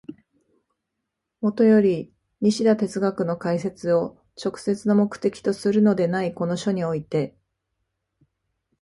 もとより西田哲学の解説を直接の目的とするのでないこの書において、